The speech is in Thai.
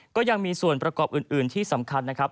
ก็ยังมีส่วนประกอบอื่นที่สำคัญนะครับ